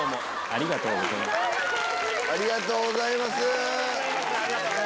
ありがとうございます。